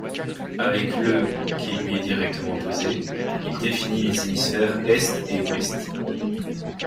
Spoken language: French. Avec le qui lui est directement opposé, il définit les hémisphères est et ouest.